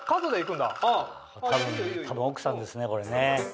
多分奥さんですねこれね。